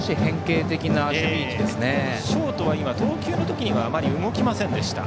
ショートは投球の時にはあまり動きませんでした。